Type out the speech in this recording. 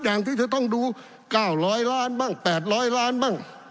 อย่างที่จะต้องดู๙๐๐ล้านบ้าง๘๐๐ล้านบ้าง